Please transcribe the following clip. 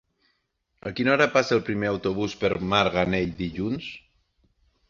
A quina hora passa el primer autobús per Marganell dilluns?